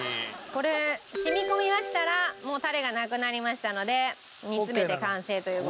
これ染み込みましたらもうタレがなくなりましたので煮詰めて完成という事に。